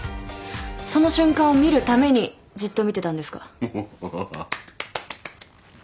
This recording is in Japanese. その瞬間を見るためにじっと見てたんですか？